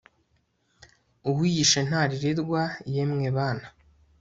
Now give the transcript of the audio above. uwiyishe ntaririrwa yemwe bana